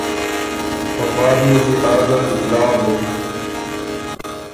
په پا ریوز يې آ ګه اطلاع بُک